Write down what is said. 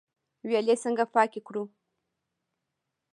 ویالې څنګه پاکې کړو؟